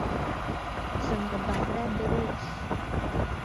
Santa Bárbara de Goiás